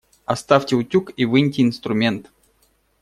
Оставьте утюг и выньте инструмент.